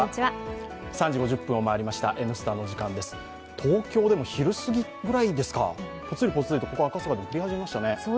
東京でも昼すぎぐらいですかポツリポツリとここ赤坂でも降り始めましたね。